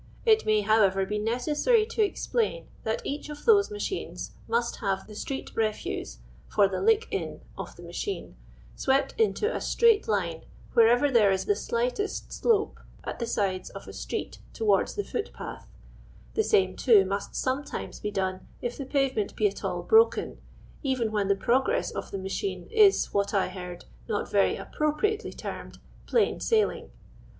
It may, how ever, be necessary to explain that each of those machines must have the street refuse, for the *• lick in" of the machine, swept into a straight line wherever there is the slightest slope at the sides of a street towards the foot path; the same, too, must sometimes be done, if the pavement be at all broken, even when the progress of the machine is, what 1 heard, not very appropriately, termed plain sailing."